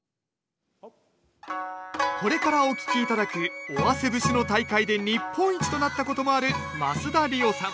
これからお聴き頂く「尾鷲節」の大会で日本一となったこともある増田吏桜さん。